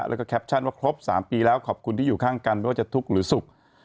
แล้วก็แคปชั่นว่าครบ๓ปีแล้วขอบคุณที่อยู่ข้างกันไม่ว่าจะทุกข์หรือสุข